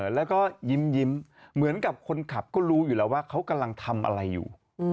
แล้วก็ยิ้มเหมือนกับคนขับก็รู้อยู่แล้วว่าเขากำลังทำอะไรอยู่